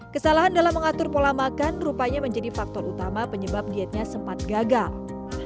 kesalahan dalam mengatur pola makan rupanya menjadi faktor utama penyebab dietnya sempat gagal